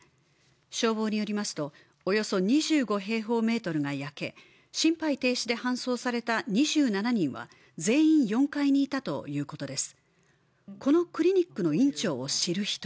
消防によりますと、およそ２５平方メートルが焼け心肺停止で搬送された２７人は全員４階にいたということです。